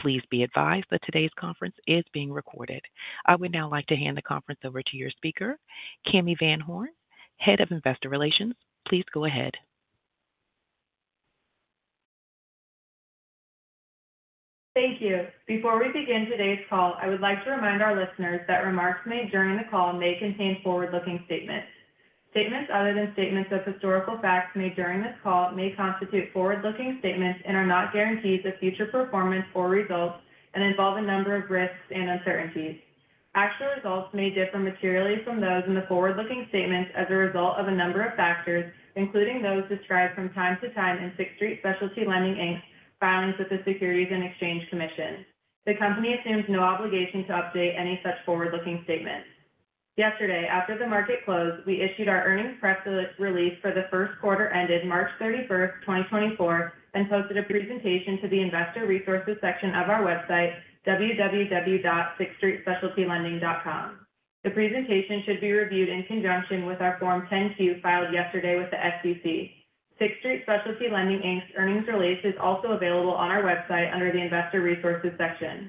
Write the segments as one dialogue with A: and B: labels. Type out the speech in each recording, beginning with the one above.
A: Please be advised that today's conference is being recorded. I would now like to hand the conference over to your speaker, Cami Van Horn, Head of Investor Relations. Please go ahead.
B: Thank you. Before we begin today's call, I would like to remind our listeners that remarks made during the call may contain forward-looking statements. Statements other than statements of historical facts made during this call may constitute forward-looking statements and are not guarantees of future performance or results and involve a number of risks and uncertainties. Actual results may differ materially from those in the forward-looking statements as a result of a number of factors, including those described from time to time in Sixth Street Specialty Lending, Inc.'s filings with the Securities and Exchange Commission. The company assumes no obligation to update any such forward-looking statements. Yesterday, after the market closed, we issued our earnings press release for the first quarter ended March 31st, 2024, and posted a presentation to the Investor Resources section of our website, www.sixthstreetspecialtylending.com. The presentation should be reviewed in conjunction with our Form 10-Q filed yesterday with the SEC. Sixth Street Specialty Lending, Inc.'s earnings release is also available on our website under the Investor Resources section.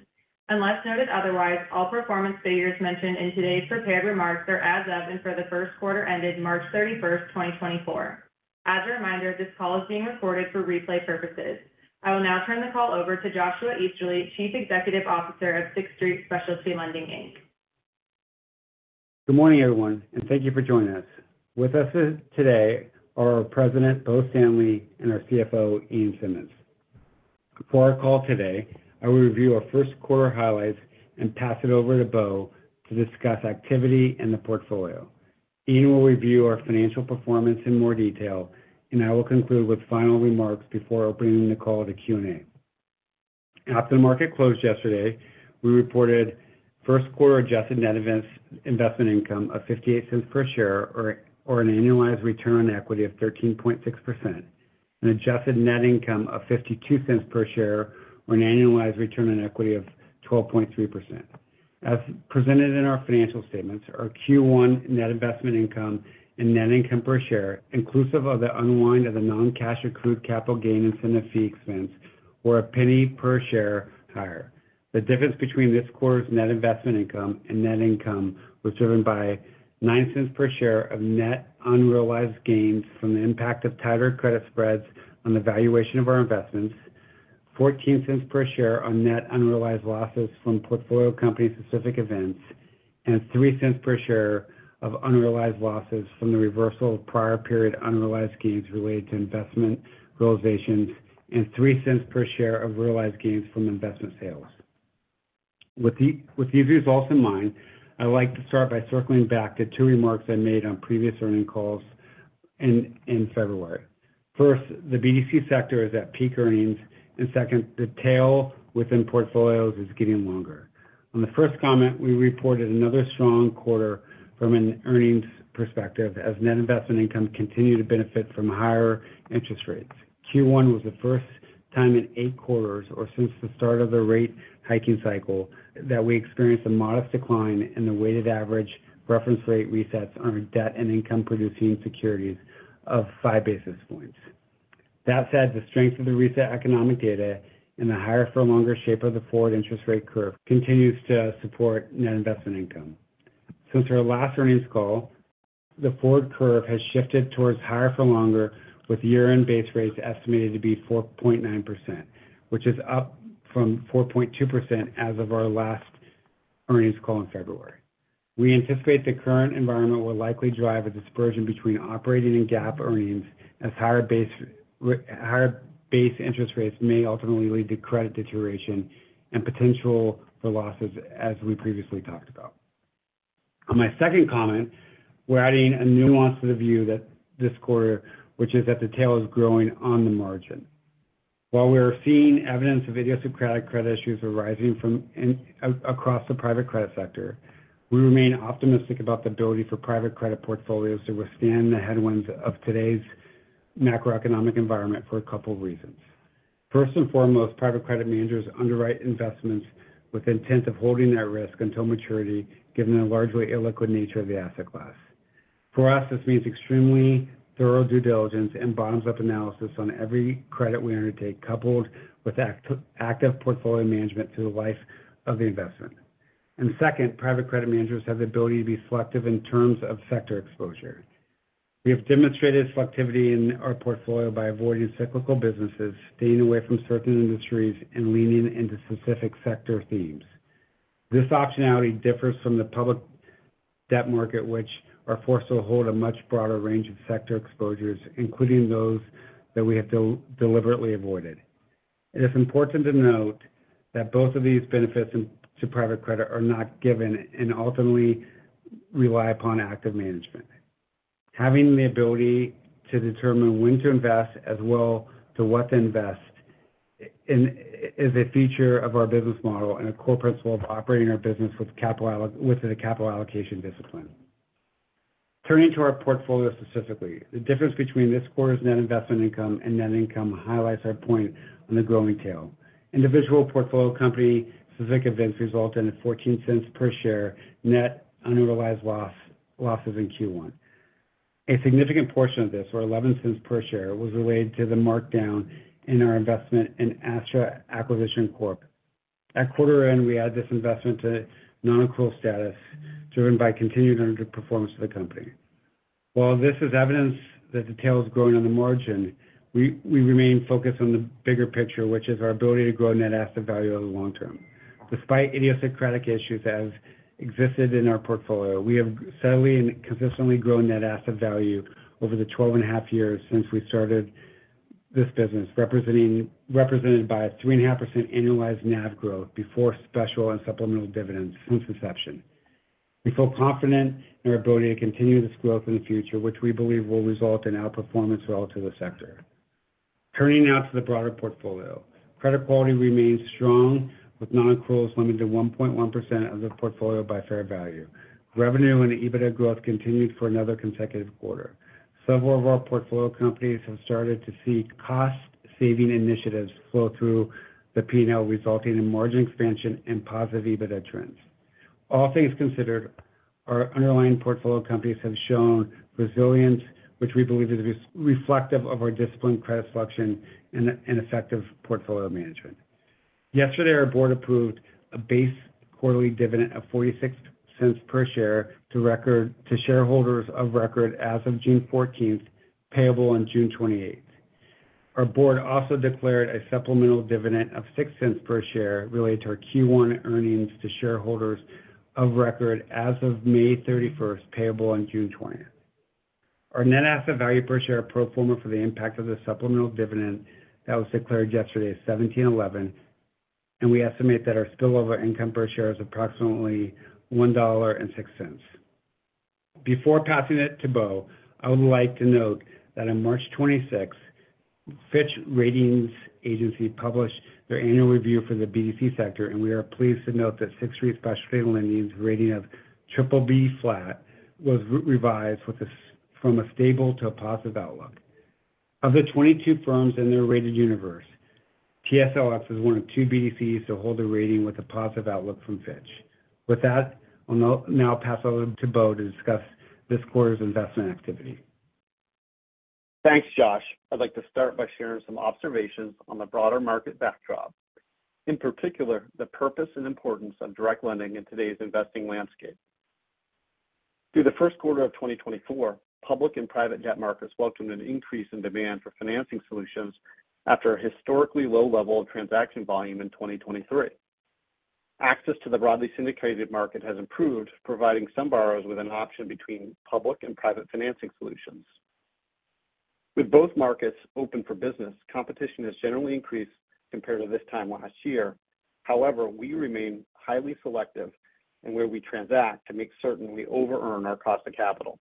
B: Unless noted otherwise, all performance figures mentioned in today's prepared remarks are as of and for the first quarter ended March 31st, 2024. As a reminder, this call is being recorded for replay purposes. I will now turn the call over to Joshua Easterly, Chief Executive Officer of Sixth Street Specialty Lending, Inc.
C: Good morning, everyone, and thank you for joining us. With us today are our President, Bo Stanley, and our CFO, Ian Simmonds. For our call today, I will review our first quarter highlights and pass it over to Bo to discuss activity in the portfolio. Ian will review our financial performance in more detail, and I will conclude with final remarks before opening the call to Q&A. After the market closed yesterday, we reported first quarter adjusted net investment income of $0.58 per share or an annualized return on equity of 13.6%, an adjusted net income of $0.52 per share, or an annualized return on equity of 12.3%. As presented in our financial statements, our Q1 net investment income and net income per share, inclusive of the unwind of the non-cash accrued capital gain incentive fee expense, were $0.01 per share higher. The difference between this quarter's net investment income and net income was driven by $0.09 per share of net unrealized gains from the impact of tighter credit spreads on the valuation of our investments, $0.14 per share on net unrealized losses from portfolio company-specific events, and $0.03 per share of unrealized losses from the reversal of prior period unrealized gains related to investment realizations, and $0.03 per share of realized gains from investment sales. With these results in mind, I'd like to start by circling back to two remarks I made on previous earnings calls in February. First, the BDC sector is at peak earnings, and second, the tail within portfolios is getting longer. On the first comment, we reported another strong quarter from an earnings perspective as net investment income continued to benefit from higher interest rates. Q1 was the first time in eight quarters, or since the start of the rate hiking cycle, that we experienced a modest decline in the weighted average reference rate resets on our debt and income-producing securities of five basis points. That said, the strength of the recent economic data and the higher for longer shape of the forward interest rate curve continues to support net investment income. Since our last earnings call, the forward curve has shifted towards higher for longer, with year-end base rates estimated to be 4.9%, which is up from 4.2% as of our last earnings call in February. We anticipate the current environment will likely drive a dispersion between operating and GAAP earnings, as higher base interest rates may ultimately lead to credit deterioration and potential for losses, as we previously talked about. On my second comment, we're adding a nuance to the view that this quarter, which is that the tail is growing on the margin. While we're seeing evidence of idiosyncratic credit issues arising from across the private credit sector, we remain optimistic about the ability for private credit portfolios to withstand the headwinds of today's macroeconomic environment for a couple reasons. First and foremost, private credit managers underwrite investments with intent of holding that risk until maturity, given the largely illiquid nature of the asset class. For us, this means extremely thorough due diligence and bottoms-up analysis on every credit we undertake, coupled with active portfolio management through the life of the investment. And second, private credit managers have the ability to be selective in terms of sector exposure. We have demonstrated selectivity in our portfolio by avoiding cyclical businesses, staying away from certain industries, and leaning into specific sector themes. This optionality differs from the public debt market, which are forced to hold a much broader range of sector exposures, including those that we have deliberately avoided. It is important to note that both of these benefits to private credit are not given and ultimately rely upon active management. Having the ability to determine when to invest as well to what to invest is a feature of our business model and a core principle of operating our business with a capital allocation discipline. Turning to our portfolio specifically, the difference between this quarter's net investment income and net income highlights our point on the growing tail. Individual portfolio company specific events resulted in a $0.14 per share net unrealized loss, losses in Q1. A significant portion of this, or $0.11 per share, was related to the markdown in our investment in Astra Acquisition Corp. At quarter end, we added this investment to non-accrual status, driven by continued underperformance of the company. While this is evidence that the tail is growing on the margin, we remain focused on the bigger picture, which is our ability to grow net asset value over the long-term. Despite idiosyncratic issues that have existed in our portfolio, we have steadily and consistently grown net asset value over the 12.5 years since we started this business, represented by a 3.5% annualized NAV growth before special and supplemental dividends since inception. We feel confident in our ability to continue this growth in the future, which we believe will result in outperformance relative to the sector. Turning now to the broader portfolio. Credit quality remains strong, with non-accruals limited to 1.1% of the portfolio by fair value. Revenue and EBITDA growth continued for another consecutive quarter. Several of our portfolio companies have started to see cost-saving initiatives flow through the P&L, resulting in margin expansion and positive EBITDA trends. All things considered, our underlying portfolio companies have shown resilience, which we believe is reflective of our disciplined credit selection and effective portfolio management. Yesterday, our board approved a base quarterly dividend of $0.46 per share to shareholders of record as of June 14th, payable on June 28th. Our board also declared a supplemental dividend of $0.06 per share related to our Q1 earnings to shareholders of record as of May 31st, payable on June 20. Our net asset value per share pro forma for the impact of the supplemental dividend that was declared yesterday is $17.11, and we estimate that our spillover income per share is approximately $1.06. Before passing it to Bo, I would like to note that on March 26th, Fitch Ratings published their annual review for the BDC sector, and we are pleased to note that Sixth Street Specialty Lending's rating of BBB- had its outlook revised from stable to positive. Of the 22 firms in their rated universe, TSLX is one of two BDCs to hold a rating with a positive outlook from Fitch. With that, I'll now pass it over to Bo to discuss this quarter's investment activity.
D: Thanks, Josh. I'd like to start by sharing some observations on the broader market backdrop, in particular, the purpose and importance of direct lending in today's investing landscape. Through the first quarter of 2024, public and private debt markets welcomed an increase in demand for financing solutions after a historically low level of transaction volume in 2023. Access to the broadly syndicated market has improved, providing some borrowers with an option between public and private financing solutions. With both markets open for business, competition has generally increased compared to this time last year. However, we remain highly selective in where we transact to make certain we over earn our cost of capital.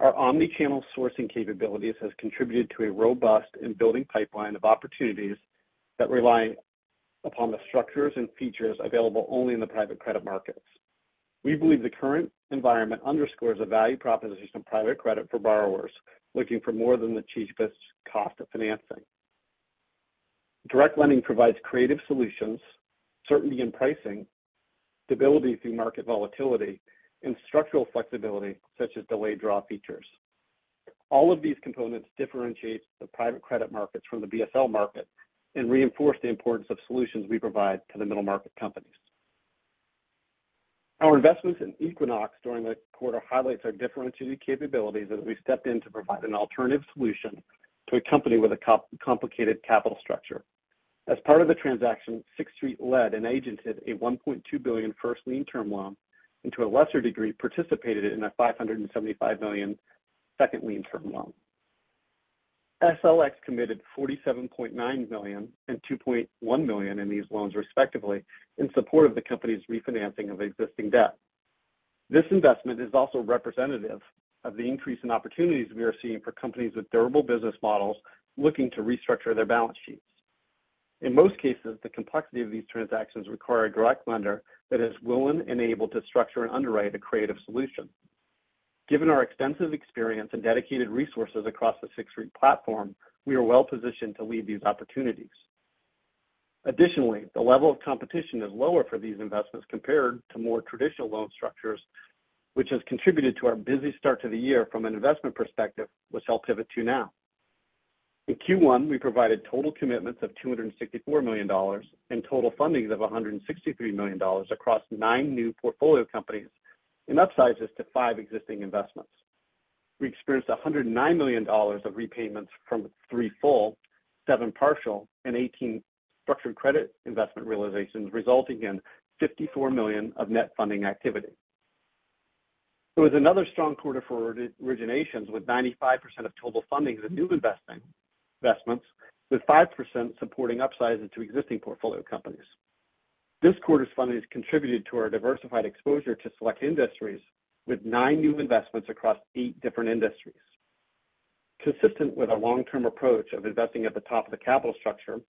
D: Our omni-channel sourcing capabilities has contributed to a robust and building pipeline of opportunities that rely upon the structures and features available only in the private credit markets. We believe the current environment underscores the value proposition of private credit for borrowers looking for more than the cheapest cost of financing. Direct lending provides creative solutions, certainty in pricing, stability through market volatility, and structural flexibility, such as delayed draw features. All of these components differentiate the private credit markets from the BSL market and reinforce the importance of solutions we provide to the middle-market companies. Our investments in Equinox during the quarter highlights our differentiated capabilities as we stepped in to provide an alternative solution to a company with a complicated capital structure. As part of the transaction, Sixth Street led and agented a $1.2 billion first lien term loan, and to a lesser degree, participated in a $575 million second lien term loan. TSLX committed $47.9 million and $2.1 million in these loans, respectively, in support of the company's refinancing of existing debt. This investment is also representative of the increase in opportunities we are seeing for companies with durable business models looking to restructure their balance sheets. In most cases, the complexity of these transactions require a direct lender that is willing and able to structure and underwrite a creative solution. Given our extensive experience and dedicated resources across the Sixth Street platform, we are well positioned to lead these opportunities. Additionally, the level of competition is lower for these investments compared to more traditional loan structures, which has contributed to our busy start to the year from an investment perspective, which I'll pivot to now. In Q1, we provided total commitments of $264 million and total fundings of $163 million across 9 new portfolio companies and upsizes to 5 existing investments. We experienced $109 million of repayments from 3 full, 7 partial, and 18 structured credit investment realizations, resulting in $54 million of net funding activity. It was another strong quarter for originations, with 95% of total fundings of new investments, with 5% supporting upsizes to existing portfolio companies. This quarter's fundings contributed to our diversified exposure to select industries with 9 new investments across 8 different industries. Consistent with our long-term approach of investing at the top of the capital structure,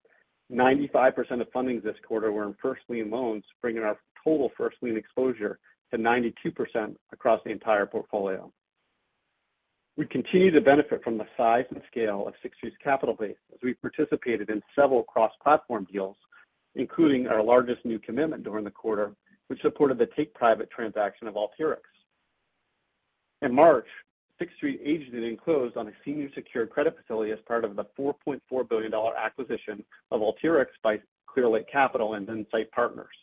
D: 95% of fundings this quarter were in first lien loans, bringing our total first lien exposure to 92% across the entire portfolio. We continue to benefit from the size and scale of Sixth Street's capital base as we participated in several cross-platform deals, including our largest new commitment during the quarter, which supported the take-private transaction of Alteryx. In March, Sixth Street agented and closed on a senior secured credit facility as part of the $4.4 billion acquisition of Alteryx by Clearlake Capital and Insight Partners.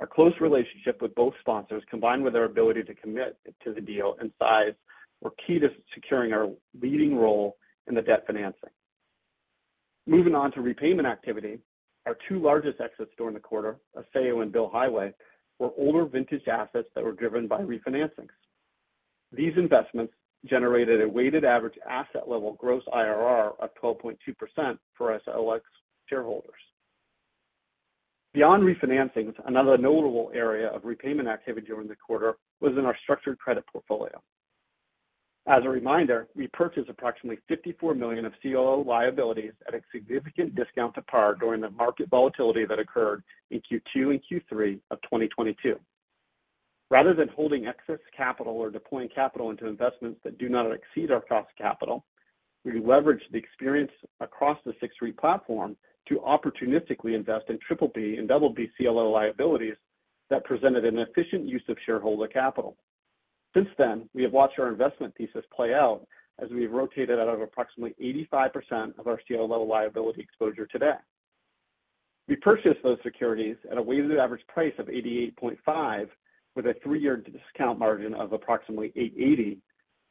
D: Our close relationship with both sponsors, combined with our ability to commit to the deal and size, were key to securing our leading role in the debt financing. Moving on to repayment activity, our two largest exits during the quarter, Avetta and Billhighway, were older vintage assets that were driven by refinancings. These investments generated a weighted average asset level gross IRR of 12.2% for TSLX shareholders. Beyond refinancings, another notable area of repayment activity during the quarter was in our structured credit portfolio. As a reminder, we purchased approximately $54 million of CLO liabilities at a significant discount to par during the market volatility that occurred in Q2 and Q3 of 2022. Rather than holding excess capital or deploying capital into investments that do not exceed our cost of capital, we leveraged the experience across the Sixth Street platform to opportunistically invest in triple-B and double-B CLO liabilities that presented an efficient use of shareholder capital. Since then, we have watched our investment thesis play out as we've rotated out of approximately 85% of our CLO liability exposure to debt. We purchased those securities at a weighted average price of 88.5, with a 3-year discount margin of approximately 880,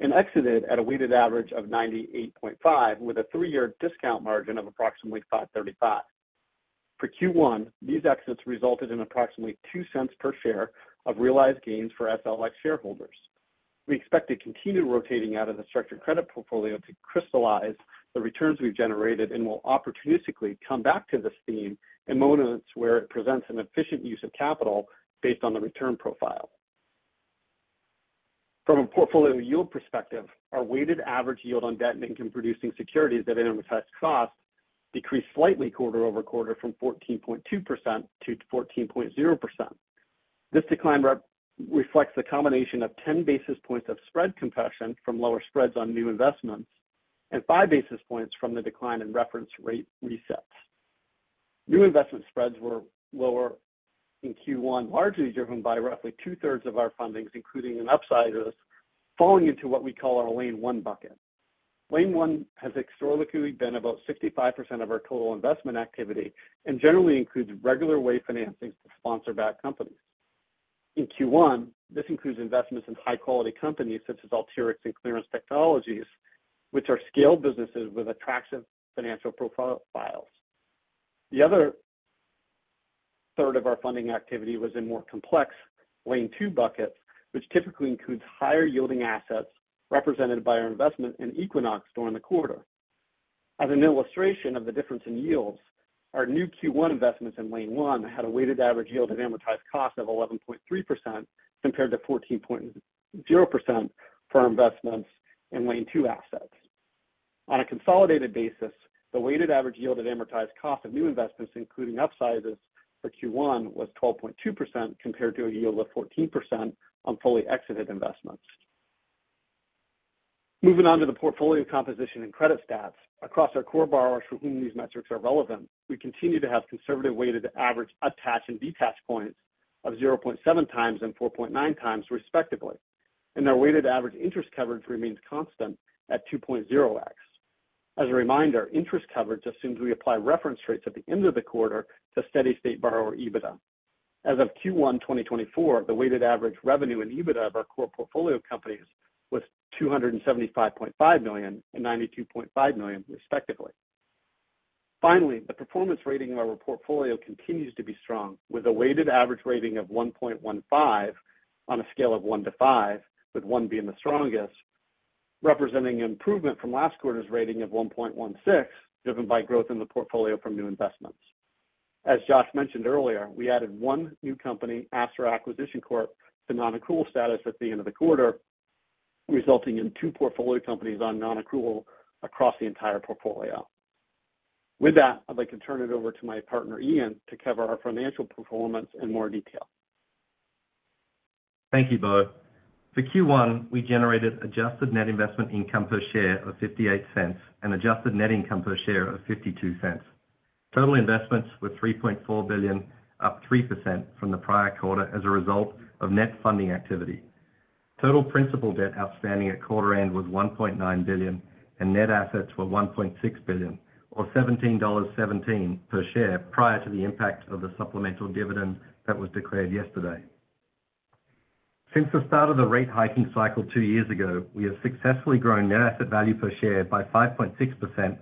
D: and exited at a weighted average of 98.5, with a 3-year discount margin of approximately 535. For Q1, these exits resulted in approximately $0.02 per share of realized gains for TSLX shareholders. We expect to continue rotating out of the structured credit portfolio to crystallize the returns we've generated, and will opportunistically come back to this theme in moments where it presents an efficient use of capital based on the return profile. From a portfolio yield perspective, our weighted average yield on debt and income-producing securities at amortized cost decreased slightly quarter-over-quarter from 14.2%-14.0%. This decline reflects a combination of 10 basis points of spread compression from lower spreads on new investments, and 5 basis points from the decline in reference rate resets. New investment spreads were lower in Q1, largely driven by roughly two-thirds of our fundings, including an upsize, falling into what we call our Lane One bucket. Lane One has historically been about 65% of our total investment activity and generally includes regular way financings to sponsor-backed companies. In Q1, this includes investments in high-quality companies such as Alteryx and Clario, which are scaled businesses with attractive financial profiles. The other third of our funding activity was in more complex Lane Two buckets, which typically includes higher-yielding assets represented by our investment in Equinox during the quarter. As an illustration of the difference in yields, our new Q1 investments in Lane One had a weighted average yield of amortized cost of 11.3%, compared to 14.0% for our investments in Lane Two assets. On a consolidated basis, the weighted average yield of amortized cost of new investments, including upsizes for Q1, was 12.2%, compared to a yield of 14% on fully exited investments. Moving on to the portfolio composition and credit stats. Across our core borrowers for whom these metrics are relevant, we continue to have conservative weighted average attach and detach points of 0.7x and 4.9x, respectively, and our weighted average interest coverage remains constant at 2.0x. As a reminder, interest coverage assumes we apply reference rates at the end of the quarter to steady-state borrower EBITDA. As of Q1 2024, the weighted average revenue and EBITDA of our core portfolio companies was $275.5 million and $92.5 million, respectively. Finally, the performance rating of our portfolio continues to be strong, with a weighted average rating of 1.15 on a scale of 1 to 5, with one being the strongest, representing an improvement from last quarter's rating of 1.16, driven by growth in the portfolio from new investments. As Josh mentioned earlier, we added one new company, Astra Acquisition Corp, to non-accrual status at the end of the quarter, resulting in two portfolio companies on non-accrual across the entire portfolio. With that, I'd like to turn it over to my partner, Ian, to cover our financial performance in more detail.
E: Thank you, Bo. For Q1, we generated adjusted net investment income per share of $0.58 and adjusted net income per share of $0.52. Total investments were $3.4 billion, up 3% from the prior quarter as a result of net funding activity. Total principal debt outstanding at quarter end was $1.9 billion, and net assets were $1.6 billion, or $17.17 per share, prior to the impact of the supplemental dividend that was declared yesterday. Since the start of the rate hiking cycle two years ago, we have successfully grown net asset value per share by 5.6%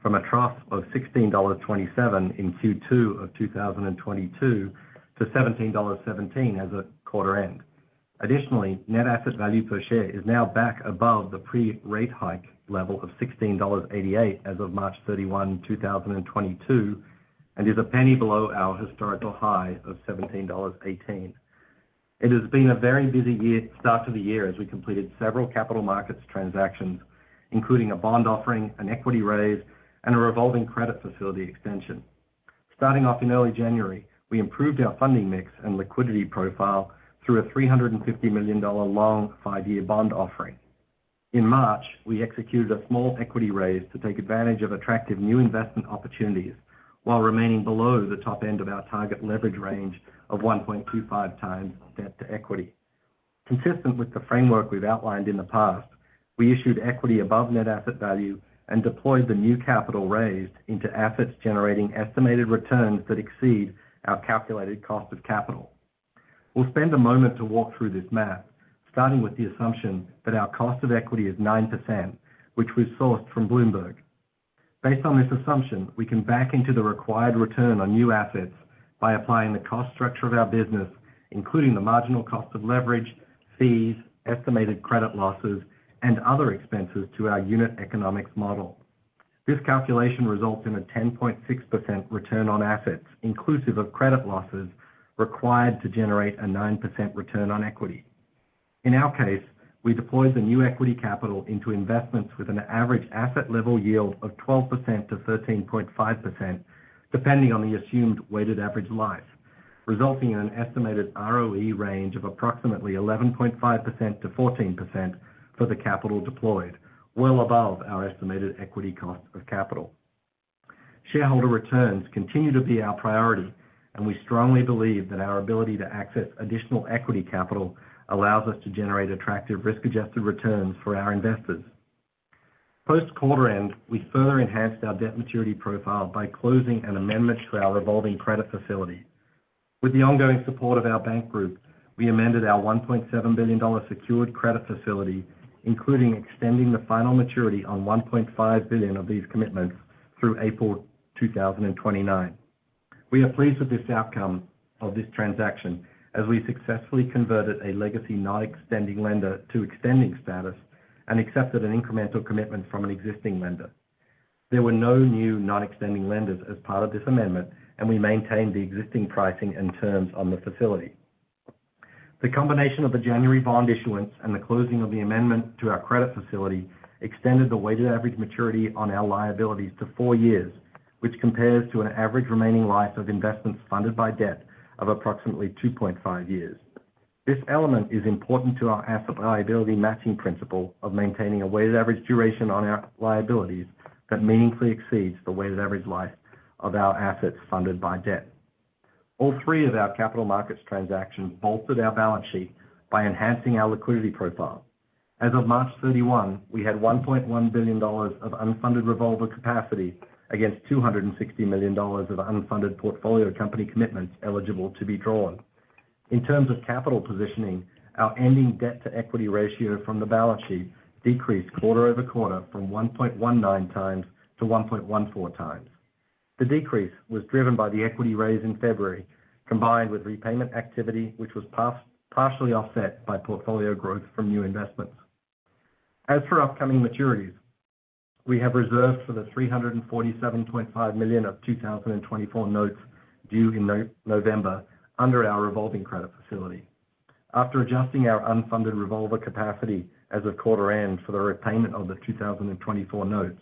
E: from a trough of $16.27 in Q2 of 2022 to $17.17 as of quarter-end. Additionally, net asset value per share is now back above the pre-rate hike level of $16.88 as of March 31, 2022, and is a penny below our historical high of $17.18. It has been a very busy year-start to the year as we completed several capital markets transactions, including a bond offering, an equity raise, and a revolving credit facility extension. Starting off in early January, we improved our funding mix and liquidity profile through a $350 million long five-year bond offering. In March, we executed a small equity raise to take advantage of attractive new investment opportunities, while remaining below the top-end of our target leverage range of 1.25x debt to equity. Consistent with the framework we've outlined in the past, we issued equity above net asset value and deployed the new capital raised into assets generating estimated returns that exceed our calculated cost of capital. We'll spend a moment to walk through this math, starting with the assumption that our cost of equity is 9%, which we sourced from Bloomberg. Based on this assumption, we can back into the required return on new assets by applying the cost structure of our business, including the marginal cost of leverage, fees, estimated credit losses, and other expenses to our unit economics model. This calculation results in a 10.6% return on assets, inclusive of credit losses, required to generate a 9% return on equity. In our case, we deployed the new equity capital into investments with an average asset level yield of 12%-13.5%, depending on the assumed weighted average life, resulting in an estimated ROE range of approximately 11.5%-14% for the capital deployed, well above our estimated equity cost of capital. Shareholder returns continue to be our priority, and we strongly believe that our ability to access additional equity capital allows us to generate attractive risk-adjusted returns for our investors. Post quarter end, we further enhanced our debt maturity profile by closing an amendment to our revolving credit facility. With the ongoing support of our bank group, we amended our $1.7 billion secured credit facility, including extending the final maturity on $1.5 billion of these commitments through April 2029. We are pleased with this outcome of this transaction, as we successfully converted a legacy non-extending lender to extending status and accepted an incremental commitment from an existing lender. There were no new non-extending lenders as part of this amendment, and we maintained the existing pricing and terms on the facility. The combination of the January bond issuance and the closing of the amendment to our credit facility extended the weighted average maturity on our liabilities to 4 years, which compares to an average remaining life of investments funded by debt of approximately 2.5 years. This element is important to our asset liability matching principle of maintaining a weighted average duration on our liabilities that meaningfully exceeds the weighted average life of our assets funded by debt. All three of our capital markets transactions bolstered our balance sheet by enhancing our liquidity profile. As of March 31, we had $1.1 billion of unfunded revolver capacity against $260 million of unfunded portfolio company commitments eligible to be drawn. In terms of capital positioning, our ending debt-to-equity ratio from the balance sheet decreased quarter-over-quarter from 1.19x-1.14x. The decrease was driven by the equity raise in February, combined with repayment activity, which was partially offset by portfolio growth from new investments. As for upcoming maturities, we have reserved for the $347.5 million of 2024 notes due in November under our revolving credit facility. After adjusting our unfunded revolver capacity as of quarter-end for the repayment of the 2024 notes,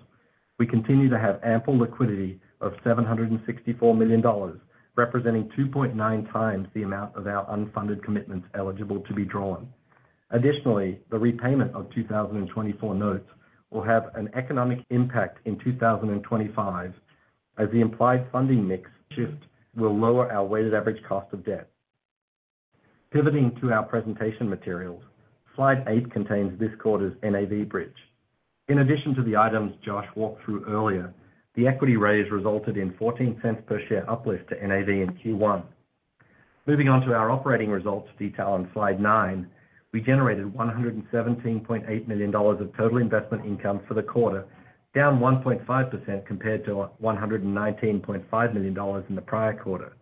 E: we continue to have ample liquidity of $764 million, representing 2.9x the amount of our unfunded commitments eligible to be drawn. Additionally, the repayment of 2024 notes will have an economic impact in 2025, as the implied funding mix shift will lower our weighted average cost of debt. Pivoting to our presentation materials, Slide 8 contains this quarter's NAV bridge. In addition to the items Josh walked through earlier, the equity raise resulted in $0.14 per share uplift to NAV in Q1. Moving on to our operating results detailed on Slide 9, we generated $117.8 million of total investment income for the quarter, down 1.5% compared to $119.5 million in the prior quarter.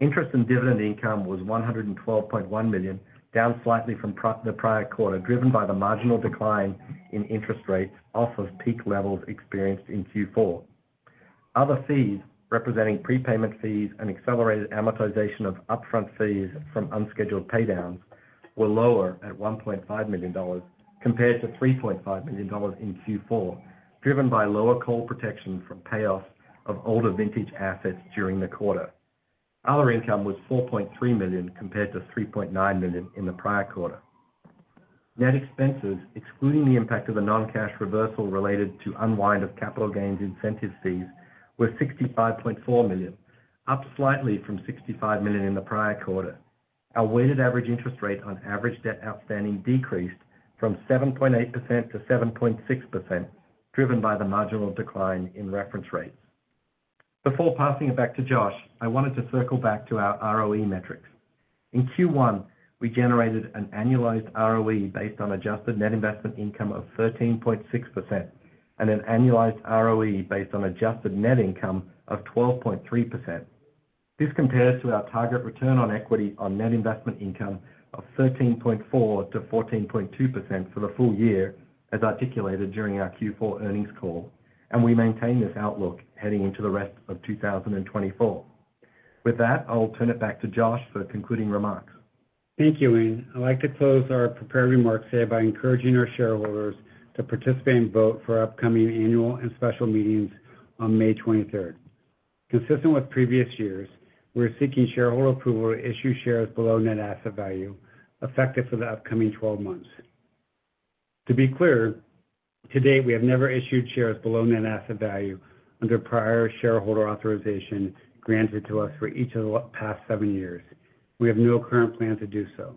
E: Interest and dividend income was $112.1 million, down slightly from the prior quarter, driven by the marginal decline in interest rates off of peak levels experienced in Q4. Other fees, representing prepayment fees and accelerated amortization of upfront fees from unscheduled pay downs, were lower at $1.5 million compared to $3.5 million in Q4, driven by lower call protection from payoffs of older vintage assets during the quarter. Other income was $4.3 million, compared to $3.9 million in the prior quarter. Net expenses, excluding the impact of a non-cash reversal related to unwind of capital gains incentive fees, were $65.4 million, up slightly from $65 million in the prior quarter. Our weighted average interest rate on average debt outstanding decreased from 7.8%-7.6%, driven by the marginal decline in reference rates. Before passing it back to Josh, I wanted to circle back to our ROE metrics. In Q1, we generated an annualized ROE based on adjusted net investment income of 13.6% and an annualized ROE based on adjusted net income of 12.3%. This compares to our target return on equity on net investment income of 13.4%-14.2% for the full-year, as articulated during our Q4 earnings call, and we maintain this outlook heading into the rest of 2024. With that, I'll turn it back to Josh for concluding remarks.
C: Thank you, Ian. I'd like to close our prepared remarks here by encouraging our shareholders to participate and vote for our upcoming annual and special meetings on May 23rd. Consistent with previous years, we're seeking shareholder approval to issue shares below Net Asset Value, effective for the upcoming 12 months. To be clear, to date, we have never issued shares below net asset value under prior shareholder authorization granted to us for each of the past seven years. We have no current plan to do so.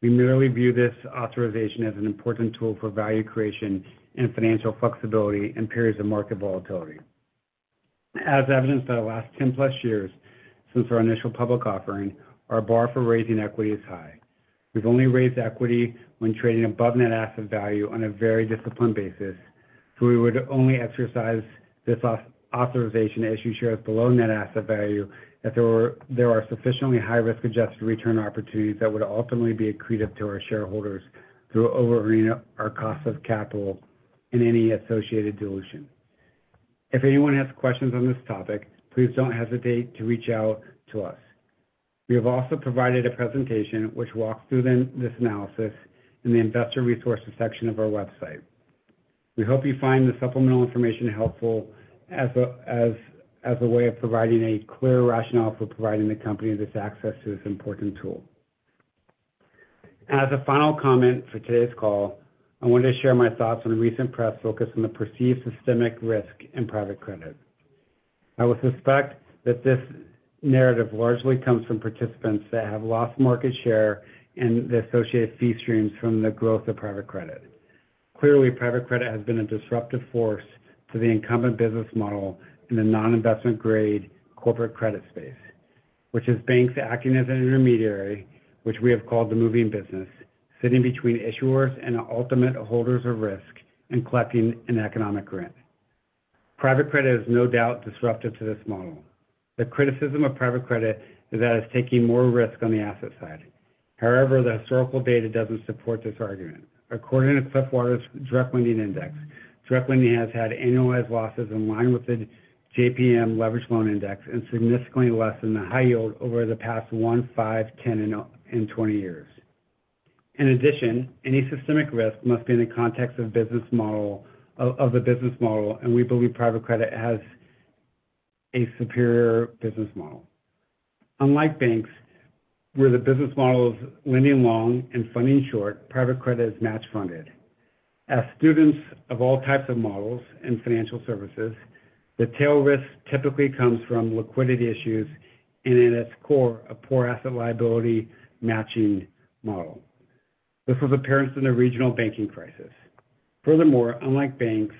C: We merely view this authorization as an important tool for value creation and financial flexibility in periods of market volatility. As evidenced by the last 10+ years since our initial public offering, our bar for raising equity is high. We've only raised equity when trading above net asset value on a very disciplined basis, so we would only exercise this authorization to issue shares below net asset value if there are sufficiently high risk-adjusted return opportunities that would ultimately be accretive to our shareholders through over earning our cost of capital and any associated dilution. If anyone has questions on this topic, please don't hesitate to reach out to us. We have also provided a presentation which walks through them, this analysis in the Investor Resources section of our website. We hope you find the supplemental information helpful as a way of providing a clear rationale for providing the company this access to this important tool. As a final comment for today's call, I wanted to share my thoughts on the recent press focus on the perceived systemic risk in private credit. I would suspect that this narrative largely comes from participants that have lost market share and the associated fee streams from the growth of private credit. Clearly, private credit has been a disruptive force to the incumbent business model in the non-investment grade corporate credit space, which is banks acting as an intermediary, which we have called the moving business, sitting between issuers and the ultimate holders of risk and collecting an economic rent. Private credit is no doubt disruptive to this model. The criticism of private credit is that it's taking more risk on the asset side. However, the historical data doesn't support this argument. According to Cliffwater Direct Lending Index, direct lending has had annualized losses in line with the JPM Leveraged Loan Index and significantly less than the high yield over the past one, five, 10, and 20 years. In addition, any systemic risk must be in the context of business model of the business model, and we believe private credit has a superior business model. Unlike banks, where the business model is lending long and funding short, private credit is match funded. As students of all types of models and financial services, the tail risk typically comes from liquidity issues and, in its core, a poor asset liability matching model. This was apparent in the regional banking crisis. Furthermore, unlike banks,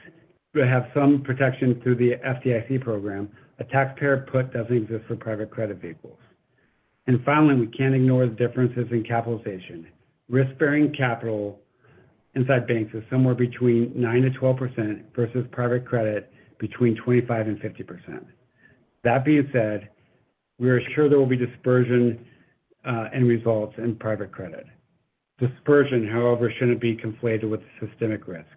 C: who have some protection through the FDIC program, a taxpayer put doesn't exist for private credit vehicles. And finally, we can't ignore the differences in capitalization. Risk-bearing capital inside banks is somewhere between 9%-12% versus private credit, between 25%-50%. That being said, we are sure there will be dispersion and results in private credit. Dispersion, however, shouldn't be conflated with systemic risk.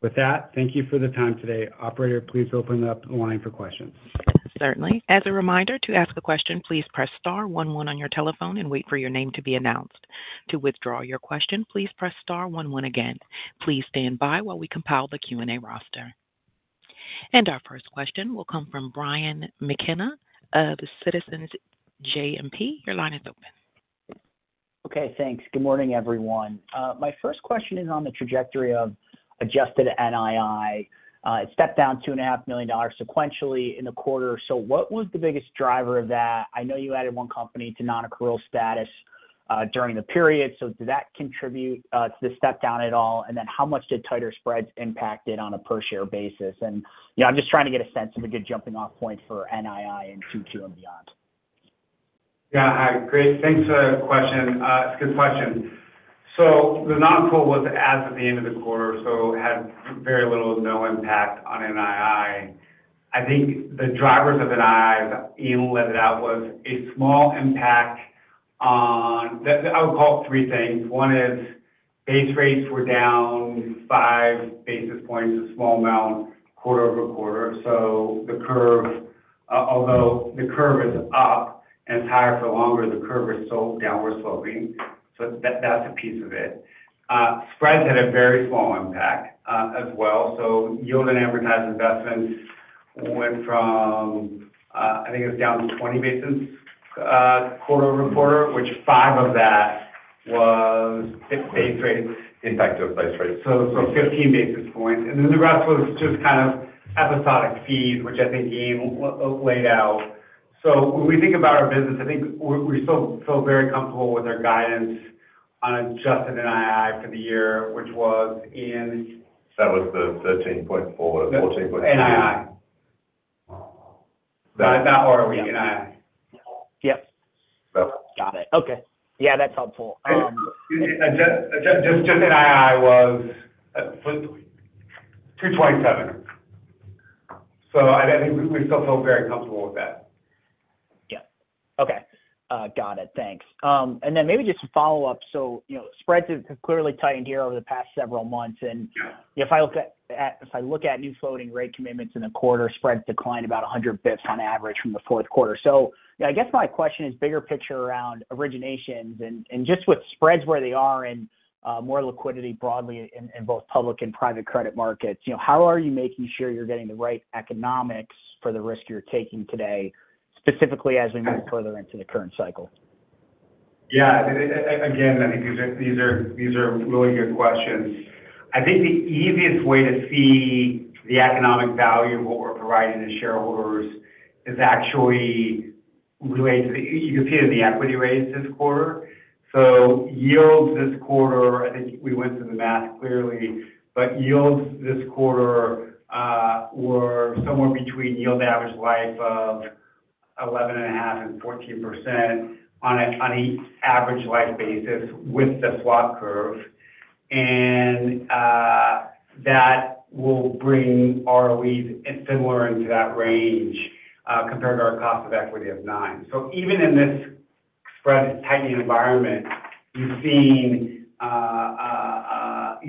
C: With that, thank you for the time today. Operator, please open up the line for questions.
A: Certainly. As a reminder, to ask a question, please press Star one, one on your telephone and wait for your name to be announced. To withdraw your question, please press Star one, one again. Please stand by while we compile the Q&A roster. Our first question will come from Brian McKenna of Citizens JMP. Your line is open.
F: Okay, thanks. Good morning, everyone. My first question is on the trajectory of adjusted NII. It stepped down $2.5 million sequentially in the quarter. So what was the biggest driver of that? I know you added one company to non-accrual status during the period. So did that contribute to the step down at all? And then how much did tighter spreads impact it on a per-share basis? And, you know, I'm just trying to get a sense of a good jumping off point for NII in Q2 and beyond.
C: Yeah, hi, great, thanks for the question. It's a good question. So the non-accrual was as of the end of the quarter, so had very little to no impact on NII. I think the drivers of NII, Ian laid it out, was a small impact on. That, I would call it three things. One is base rates were down 5 basis points, a small amount quarter-over-quarter. So the curve, although the curve is up and it's higher for longer, the curve is still downward sloping, so that's a piece of it. Spreads had a very small impact, as well. So yield and advertised investments went from, I think it was down to 20 basis, quarter-over-quarter, which 5 of that was base rates. Impact to base rates. So, 15 basis points, and then the rest was just kind of episodic fees, which I think Ian laid out. So when we think about our business, I think we still feel very comfortable with our guidance on adjusted NII for the year, which was, Ian?
E: That was the $13.4-$14 NII.
C: Oh. Not ROE, NII.
F: Yep. Got it. Okay. Yeah, that's helpful.
C: Adjusted NII was $2.27. So I think we still feel very comfortable with that.
F: Yeah. Okay. Got it. Thanks. Then maybe just to follow up, so, you know, spreads have clearly tightened here over the past several months, and-
C: Yeah
F: If I look at new floating rate commitments in the quarter, spreads declined about 100 basis points on average from the fourth quarter. So, you know, I guess my question is bigger picture around originations and just with spreads where they are and more liquidity broadly in both public and private credit markets, you know, how are you making sure you're getting the right economics for the risk you're taking today, specifically as we move further into the current cycle?
C: Yeah, again, I think these are really good questions. I think the easiest way to see the economic value of what we're providing to shareholders is actually related to the, you can see it in the equity raise this quarter. So yields this quarter, I think we went through the math clearly, but yields this quarter were somewhere between yield average life of 11.5% and 14% on an average life basis with the swap curve. And that will bring ROEs similar into that range compared to our cost of equity of 9%. So even in this spread tightening environment, you've seen, I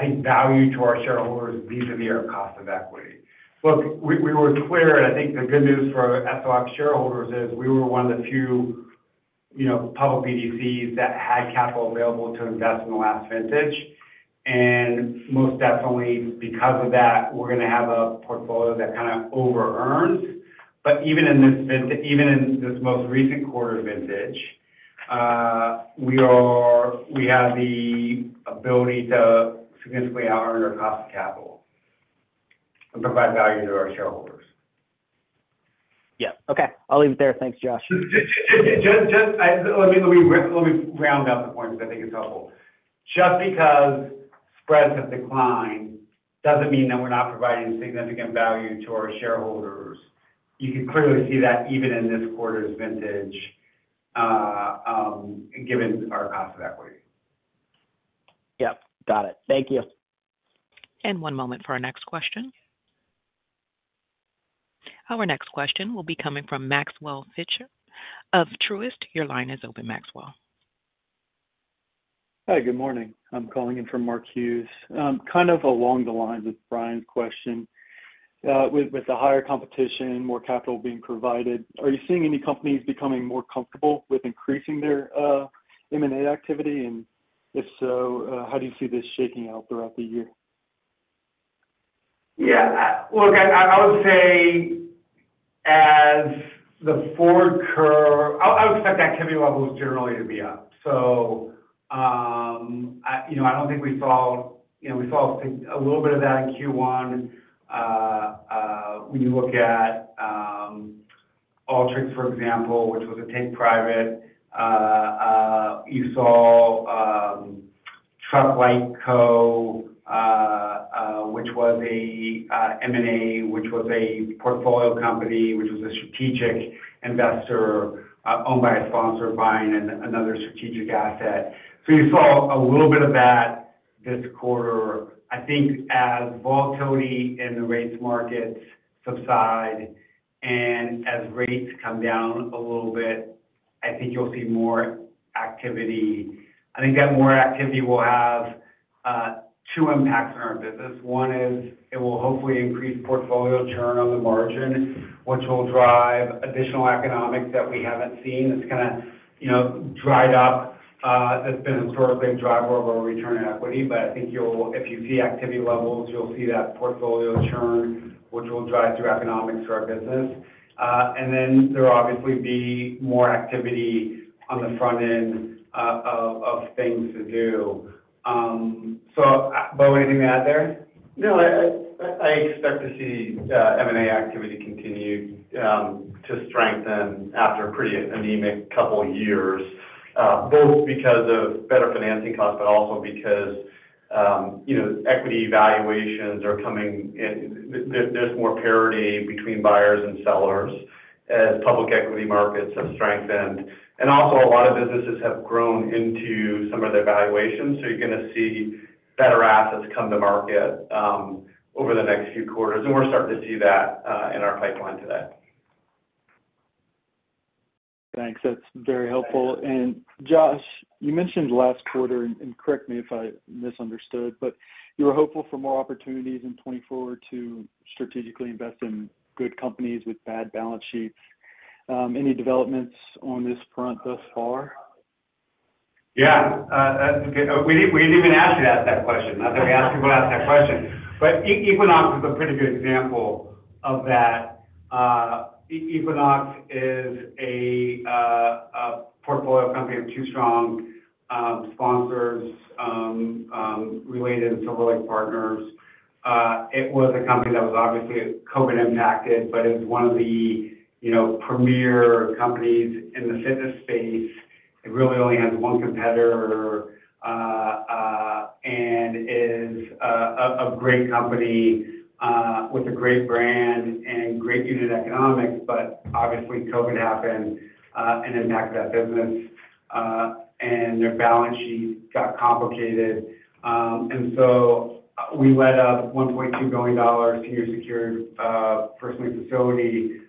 C: think, value to our shareholders vis-a-vis our cost of equity. Look, we were clear, and I think the good news for SVB shareholders is we were one of the few, you know, public BDCs that had capital available to invest in the last vintage. And most definitely because of that, we're gonna have a portfolio that kind of overearns. But even in this most recent quarter's vintage, we have the ability to significantly outearn our cost of capital and provide value to our shareholders.
F: Yeah. Okay. I'll leave it there. Thanks, Josh.
C: Let me round out the point because I think it's helpful. Just because spreads have declined, doesn't mean that we're not providing significant value to our shareholders. You can clearly see that even in this quarter's vintage, given our cost of equity.
F: Yep. Got it. Thank you.
A: One moment for our next question. Our next question will be coming from Maxwell Fritscher of Truist. Your line is open, Maxwell.
G: Hi, good morning. I'm calling in for Mark Hughes. Kind of along the lines of Brian's question, with, with the higher competition, more capital being provided, are you seeing any companies becoming more comfortable with increasing their M&A activity? And if so, how do you see this shaking out throughout the year?
C: Yeah, look, I would say as the forward curve. I would expect activity levels generally to be up. So, you know, I don't think we saw. You know, we saw a little bit of that in Q1. When you look at Alteryx, for example, which was a take-private, you saw Truck-Lite, which was a M&A, which was a portfolio company, which was a strategic investor owned by a sponsor buying another strategic asset. So you saw a little bit of that this quarter. I think as volatility in the rates markets subside and as rates come down a little bit, I think you'll see more activity. I think that more activity will have two impacts on our business. One is it will hopefully increase portfolio churn on the margin, which will drive additional economics that we haven't seen. It's kind of, you know, dried up. That's been a historical driver of our return on equity, but I think you'll, if you see activity levels, you'll see that portfolio churn, which will drive through economics to our business. And then there'll obviously be more activity on the front end of things to do. So, Bo, anything to add there?
D: No, I expect to see M&A activity continue to strengthen after a pretty anemic couple years, both because of better financing costs, but also because, you know, equity valuations are coming in there's more parity between buyers and sellers as public equity markets have strengthened. And also a lot of businesses have grown into some of their valuations, so you're gonna see better assets come to market, over the next few quarters, and we're starting to see that, in our pipeline today.
G: Thanks. That's very helpful.
C: Thanks.
G: Josh, you mentioned last quarter, and correct me if I misunderstood, but you were hopeful for more opportunities in 2024 to strategically invest in good companies with bad balance sheets. Any developments on this front thus far?
C: Yeah. We didn't even ask you to ask that question. Not that we ask people to ask that question. But Equinox is a pretty good example of that. Equinox is a portfolio company of two strong sponsors, Related and Silver Lake Partners. It was a company that was obviously COVID impacted, but it's one of the, you know, premier companies in the fitness space. It really only has one competitor, and is a great company with a great brand and great unit economics. But obviously, COVID happened, and impacted that business, and their balance sheet got complicated. And so we led a $1.2 billion two-year secured first lien facility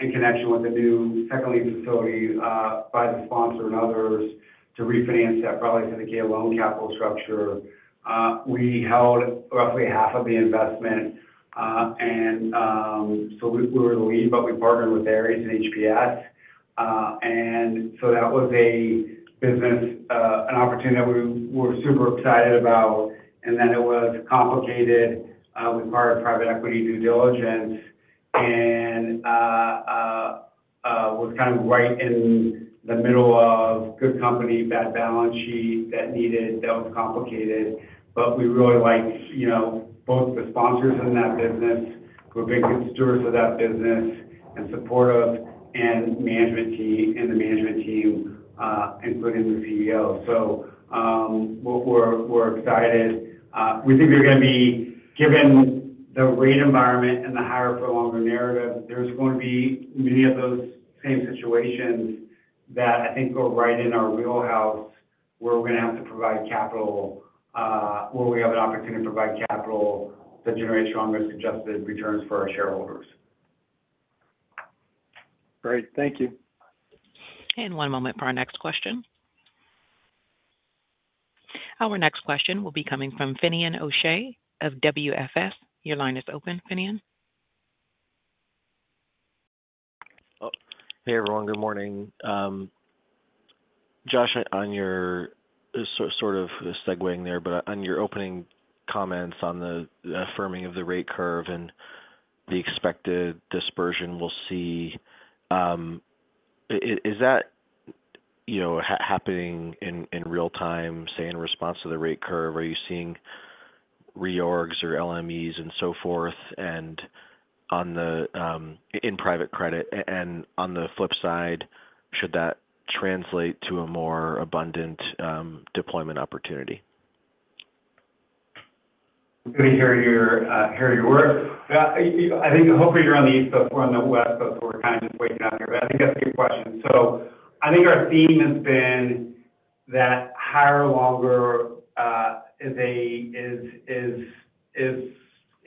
C: in connection with the new second lien facility by the sponsor and others to refinance that, probably the existing loan capital structure. We held roughly half of the investment, and so we were the lead, but we partnered with Ares and HPS. And so that was a business opportunity that we were super excited about, and then it was complicated with our private equity due diligence and was kind of right in the middle of good company, bad balance sheet that needed, that was complicated. But we really liked, you know, both the sponsors in that business, who are very good stewards of that business and supportive, and the management team, including the CEO. So, we're excited. We think we're gonna be, given the rate environment and the higher for longer narrative, there's going to be many of those same situations that I think go right in our wheelhouse, where we're gonna have to provide capital, where we have an opportunity to provide capital that generates strong risk-adjusted returns for our shareholders.
G: Great. Thank you.
A: One moment for our next question. Our next question will be coming from Finian O'Shea of WFS. Your line is open, Finian.
H: Oh, hey, everyone. Good morning. Josh, on your, sort of segueing there, but on your opening comments on the affirming of the rate curve and the expected dispersion we'll see, is that, you know, happening in, in real time, say, in response to the rate curve? Are you seeing reorgs or LMEs and so forth, and on the, in private credit, and on the flip side, should that translate to a more abundant deployment opportunity?
C: Good to hear your, hear your work. Yeah, I think hopefully you're on the East Coast, we're on the West Coast, so we're kind of just waking up here, but I think that's a good question. So I think our theme has been that higher longer is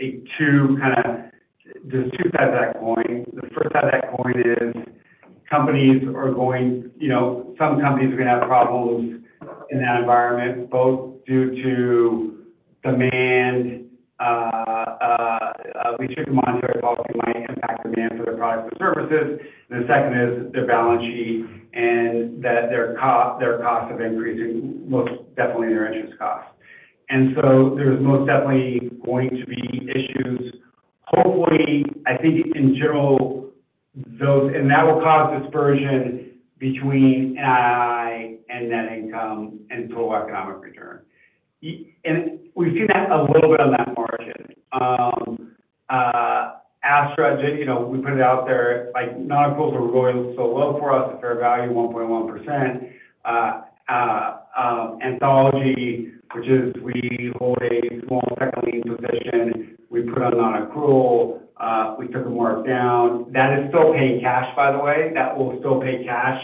C: a two kind of. There's two sides to that coin. The first side of that coin is companies are going, you know, some companies are going to have problems in that environment, both due to demand, stricter monetary policy might impact demand for their products or services. And the second is their balance sheet and that their cost, their costs have been increasing, most definitely their interest costs. And so there's most definitely going to be issues. Hopefully, I think in general, those and that will cause dispersion between NII and net income and total economic return. Yeah, and we've seen that a little bit on that margin. Astra, you know, we put it on non-accrual. It was going so well for us, a fair value of 1.1%. Anthology, which is, we hold a small second lien position. We put it on accrual. We took a markdown. That is still paying cash, by the way. That will still pay cash,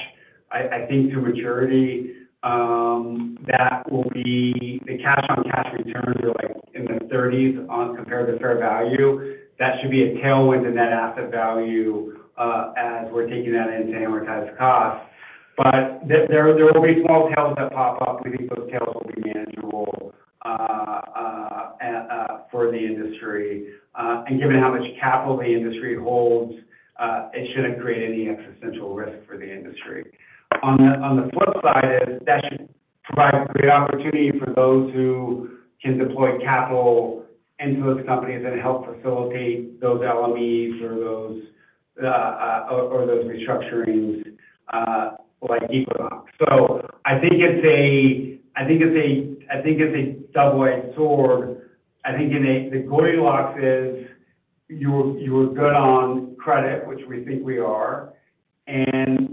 C: I think, to maturity. That will be the cash-on-cash returns are like in the 30s compared to fair value. That should be a tailwind in that asset value, as we're taking that into amortized cost. But there will be small tails that pop up. We think those tails will be manageable for the industry. Given how much capital the industry holds, it shouldn't create any existential risk for the industry. On the flip side, that should provide great opportunity for those who can deploy capital into those companies and help facilitate those LMEs or those restructurings, like Equinox. So I think it's a double-edged sword. I think the Goldilocks is, you're good on credit, which we think we are, and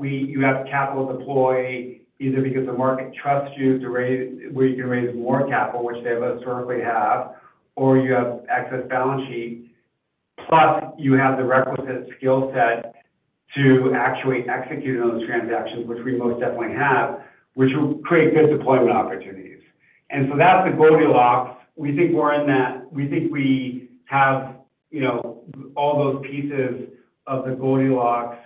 C: you have capital to deploy either because the market trusts you to raise where you can raise more capital, which they historically have, or you have excess balance sheet. Plus, you have the requisite skill set to actually execute on those transactions, which we most definitely have, which will create good deployment opportunities. And so that's the Goldilocks. We think we're in that. We think we have, you know, all those pieces of the Goldilocks,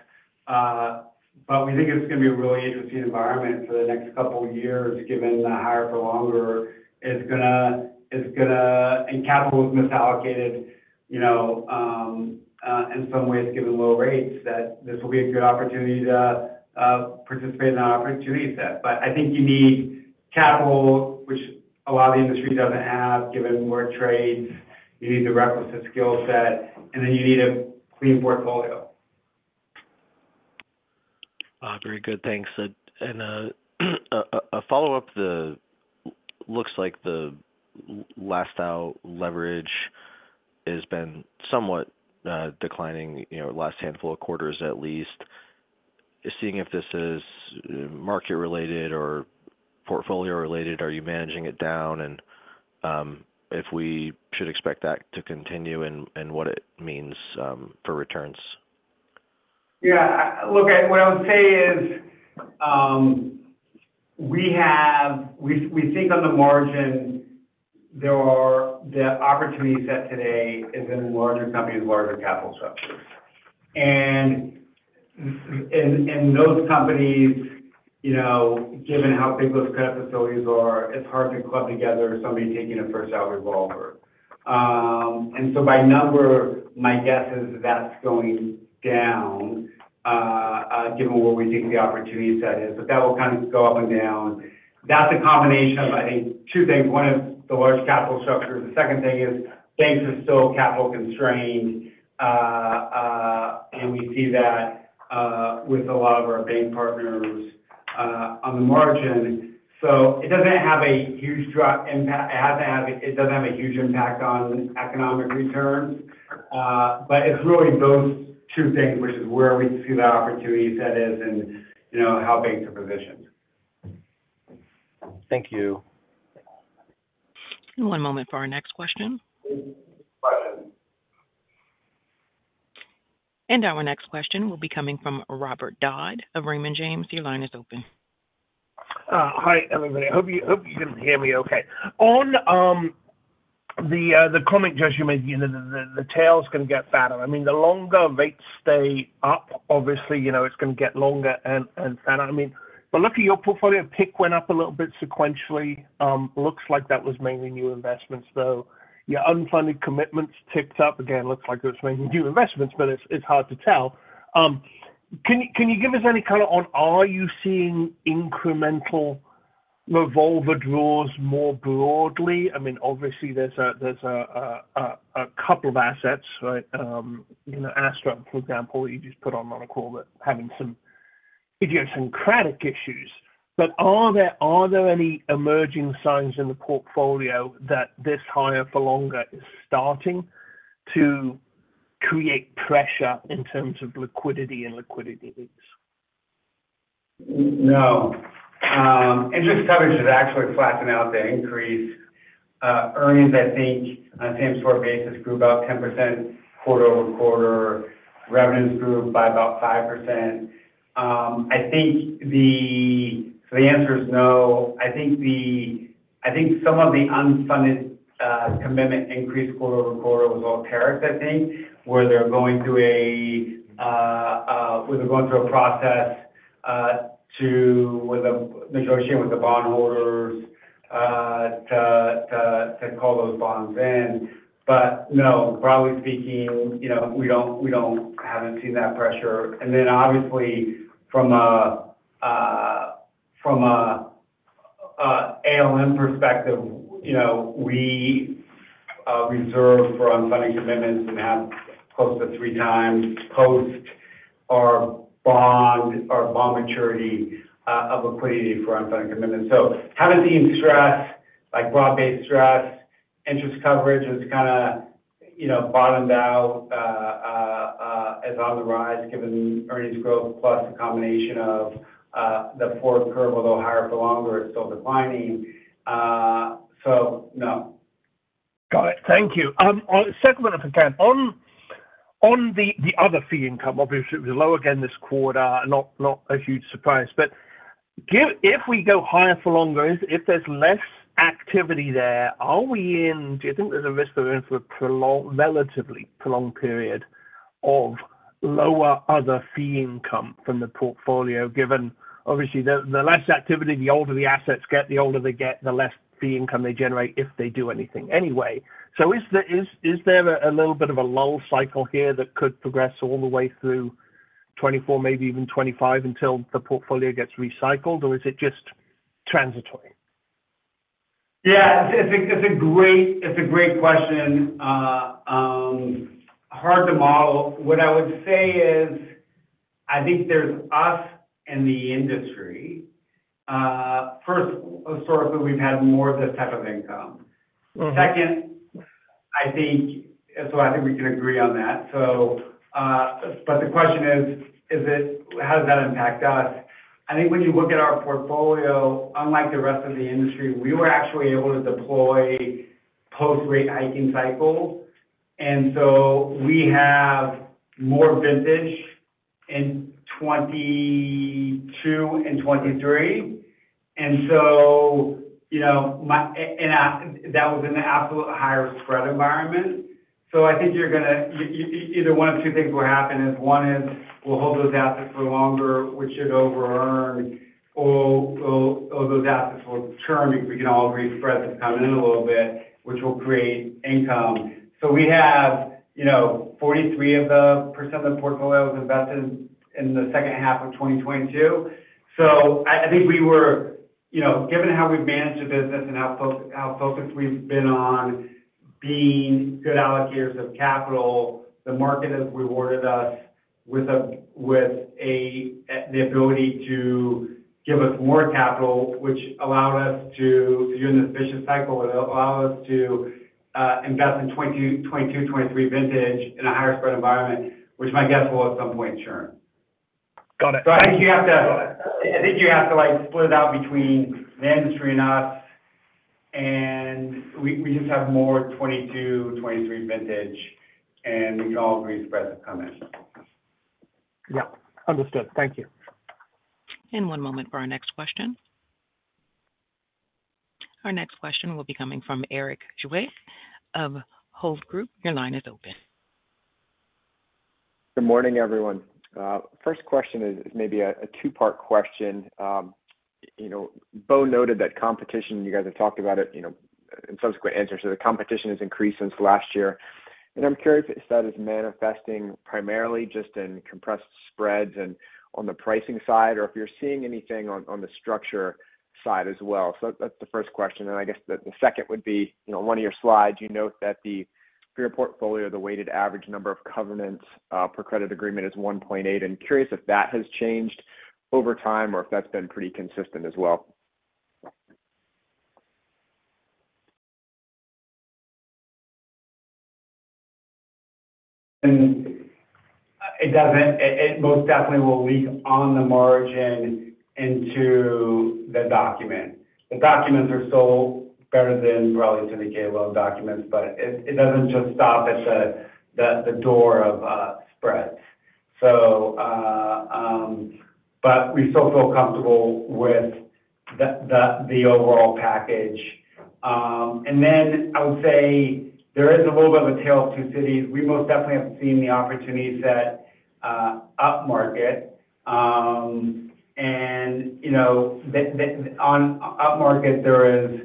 C: but we think it's gonna be a really interesting environment for the next couple of years, given the higher for longer and capital is misallocated, you know, in some ways, given low rates, that this will be a good opportunity to participate in that opportunity set. But I think you need capital, which a lot of the industry doesn't have, given more trades, you need the requisite skill set, and then you need a clean portfolio.
H: Very good. Thanks. And, a follow-up, looks like the last mile leverage has been somewhat, declining, you know, last handful of quarters, at least. Seeing if this is market related or portfolio related, are you managing it down? And, if we should expect that to continue and, and what it means, for returns.
C: Yeah, look, what I would say is, we have we, we think on the margin, there are the opportunity set today is in larger companies, larger capital structures. And those companies, you know, given how big those credit facilities are, it's hard to club together somebody taking a first out revolver. And so by number, my guess is that's going down, given where we think the opportunity set is, but that will kind of go up and down. That's a combination of, I think, two things. One is the large capital structure, the second thing is banks are still capital constrained, and we see that with a lot of our bank partners on the margin. So it doesn't have a huge drop impact- it hasn't had, it doesn't have a huge impact on economic returns, but it's really those two things, which is where we see the opportunity set is and, you know, how banks are positioned.
H: Thank you.
A: One moment for our next question.
C: Go ahead.
A: Our next question will be coming from Robert Dodd of Raymond James. Your line is open.
I: Hi, everybody. I hope you, I hope you can hear me okay. On the comment, Josh, you made, you know, the tail's gonna get fatter. I mean, the longer rates stay up, obviously, you know, it's gonna get longer and fatter. I mean, but looking at your portfolio, PIK went up a little bit sequentially. Looks like that was mainly new investments, though. Your unfunded commitments ticked up again, looks like it's mainly new investments, but it's hard to tell. Can you give us any color on are you seeing incremental revolver draws more broadly? I mean, obviously, there's a couple of assets, right? You know, Astra, for example, you just put on a call that having some idiosyncratic issues. But are there any emerging signs in the portfolio that this higher for longer is starting to create pressure in terms of liquidity and liquidity leaks?
C: No. Interest coverage has actually flattened out the increase. Earnings, I think, on a same-store basis, grew about 10% quarter-over-quarter. Revenues grew by about 5%. So the answer is no. I think some of the unfunded commitment increase quarter-over-quarter was Alteryx, I think, where they're going through a process to negotiate with the bondholders to call those bonds in. But no, broadly speaking, you know, we haven't seen that pressure. And then obviously from a ALM perspective, you know, we reserve for unfunded commitments and have close to 3x post our bond, our bond maturity of liquidity for unfunded commitments. So haven't seen stress, like broad-based stress. Interest coverage has kind of, you know, bottomed out, it's on the rise given earnings growth, plus a combination of, the forward curve, although higher for longer, is still declining. So no.
I: Got it. Thank you. On the second one, if I can. On the other fee income, obviously, it was low again this quarter, not a huge surprise. But if we go higher for longer, if there's less activity there, do you think there's a risk that we're in for a relatively prolonged period of lower other fee income from the portfolio, given obviously the less activity, the older the assets get, the older they get, the less fee income they generate if they do anything anyway. So is there a little bit of a lull cycle here that could progress all the way through 2024, maybe even 2025, until the portfolio gets recycled? Or is it just transitory?
C: Yeah, it's a great question. Hard to model. What I would say is, I think there's us and the industry. First, historically, we've had more of this type of income. Second, I think, so I think we can agree on that. So, but the question is, is it- how does that impact us? I think when you look at our portfolio, unlike the rest of the industry, we were actually able to deploy post rate hiking cycles, and so we have more vintage in 2022 and 2023. And so, you know, and that was in an absolute higher spread environment. So I think you're gonna, either one of two things will happen is, one is we'll hold those assets for longer, which should over earn, or those assets will churn because we can all agree spreads have come in a little bit, which will create income. So we have, you know, 43% of the portfolio was invested in the second half of 2022. I think we were, you know, given how we've managed the business and how focused we've been on being good allocators of capital, the market has rewarded us with a, with a, the ability to give us more capital, which allowed us to, you know, in this vicious cycle, it allowed us to, invest in 2022, 2022, 2023 vintage in a higher spread environment, which my guess will at some point churn.
I: Got it.
C: So I think you have to, I think you have to like split it out between the industry and us, and we, we just have more 2022, 2023 vintage, and we can all agree spreads have come in.
I: Yeah. Understood. Thank you.
A: One moment for our next question. Our next question will be coming from Erik Zwick of Hovde Group. Your line is open.
J: Good morning, everyone. First question is maybe a two-part question. You know, Bo noted that competition, you guys have talked about it, you know, in subsequent answers, so the competition has increased since last year. And I'm curious if that is manifesting primarily just in compressed spreads and on the pricing side, or if you're seeing anything on the structure side as well? So that's the first question. And I guess the second would be, you know, on one of your slides, you note that the for your portfolio, the weighted average number of covenants per credit agreement is 1.8. I'm curious if that has changed over time or if that's been pretty consistent as well?
C: And it doesn't. It most definitely will leak on the margin into the document. The documents are still better than probably syndicated loan documents, but it doesn't just stop at the door of spreads. So, but we still feel comfortable with the overall package. And then I would say there is a little bit of a tale of two cities. We most definitely have seen the opportunity set upmarket. And, you know, on upmarket, there is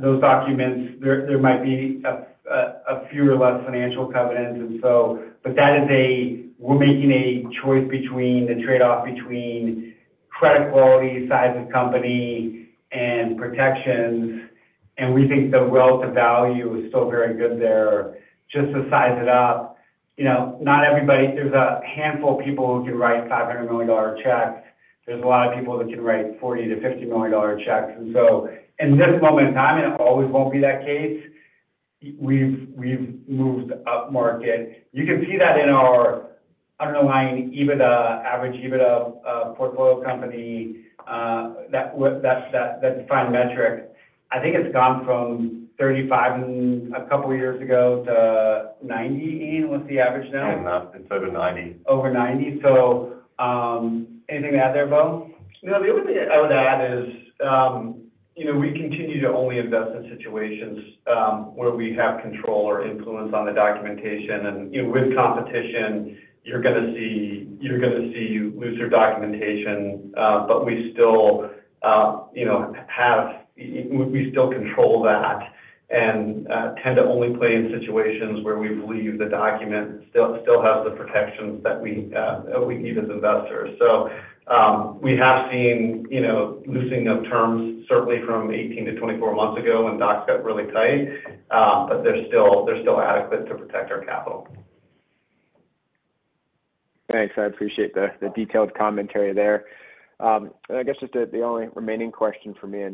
C: those documents there, there might be a few less financial covenants. And so, but that is a. We're making a choice between the trade-off between credit quality, size of company, and protections. And we think the relative value is still very good there. Just to size it up, you know, not everybody there's a handful of people who can write $500 million checks. There's a lot of people that can write $40 million-$50 million checks. And so in this moment in time, it always won't be that case. We've, we've moved upmarket. You can see that in our underlying EBITDA, average EBITDA, portfolio company, that's that defined metric. I think it's gone from 35 a couple of years ago to 90, Ian, what's the average now?
E: Yeah, it's over 90.
C: Over 90. So, anything to add there, Bo?
D: No, the only thing I would add is, you know, we continue to only invest in situations, where we have control or influence on the documentation. And, you know, with competition, you're going to see looser documentation. But we still, you know, we still control that and, tend to only play in situations where we believe the document still has the protections that we, that we need as investors. So, we have seen, you know, loosening of terms certainly from 18-24 months ago when docs got really tight. But they're still adequate to protect our capital.
J: Thanks. I appreciate the, the detailed commentary there. And I guess just the, the only remaining question from me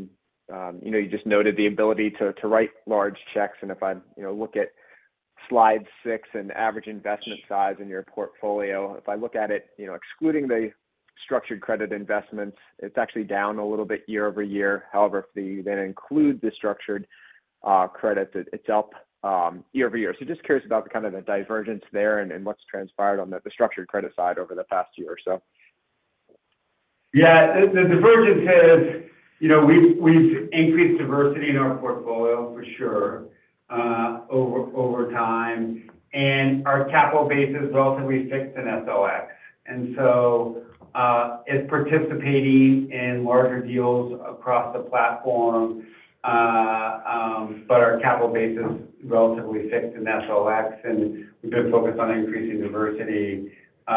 J: and, you know, you just noted the ability to, to write large checks. And if I, you know, look at Slide 6 and average investment size in your portfolio, if I look at it, you know, excluding the structured credit investments, it's actually down a little bit year-over-year. However, if we then include the structured credit, it's up year-over-year. So just curious about the kind of the divergence there and, and what's transpired on the, the structured credit side over the past year or so.
C: Yeah, the divergence is, you know, we've increased diversity in our portfolio for sure, over time, and our capital base is relatively fixed in SOFR. And so, it's participating in larger deals across the platform, but our capital base is relatively fixed in SOFR, and we've been focused on increasing diversity. So